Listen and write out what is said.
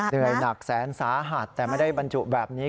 เหนื่อยหนักแสนสาหัสแต่ไม่ได้บรรจุแบบนี้